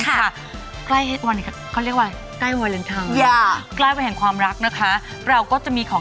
ใกล้วันอะไร